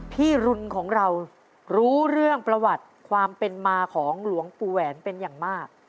รุนของเรารู้เรื่องประวัติความเป็นมาของหลวงปู่แหวนเป็นอย่างมาก